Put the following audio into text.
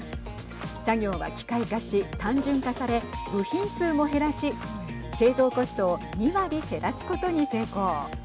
作業は機械化し単純化され部品数も減らし製造コストを２割減らすことに成功。